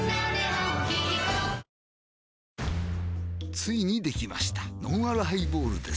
ついにできましたのんあるハイボールです